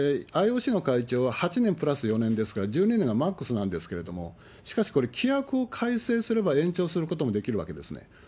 ＩＯＣの会長は８年プラス４年ですから、１２年がマックスなんですけれども、しかしこれ、規約を改正すれば延長することもできるわけですね。